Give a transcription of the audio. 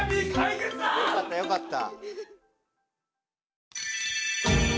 よかったよかった。